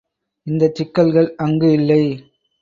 இந்தச் சிக்கல்கள் அங்கு இல்லை.